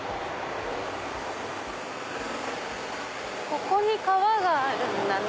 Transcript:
ここに川があるんだね。